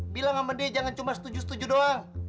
bilang sama dia jangan cuma setuju setuju doang